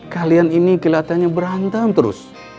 kalian ini kelihatannya berantem terus